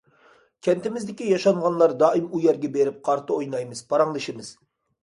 كەنتىمىزدىكى ياشانغانلار دائىم ئۇ يەرگە بېرىپ قارتا ئوينايمىز، پاراڭلىشىمىز.